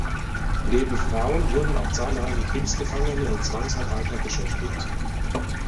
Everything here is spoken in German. Neben Frauen wurden auch zahlreiche Kriegsgefangene und Zwangsarbeiter beschäftigt.